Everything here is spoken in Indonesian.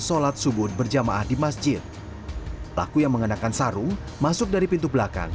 sholat subuh berjamaah di masjid pelaku yang mengenakan sarung masuk dari pintu belakang